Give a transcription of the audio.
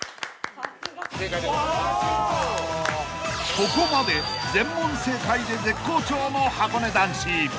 ［ここまで全問正解で絶好調のはこね男子］